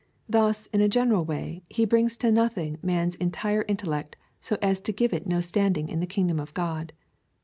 Thus in a general way he hrings to nothing man's entire intellect, so as to give it no standing in the kingdom of God.